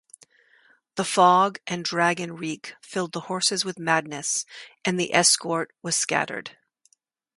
The fog and dragon-reek filled the horses with madness, and the escort was scattered.